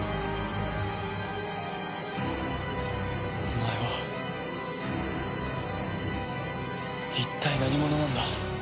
お前は一体何者なんだ？